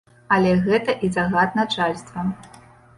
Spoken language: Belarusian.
Але гэта і загад начальства.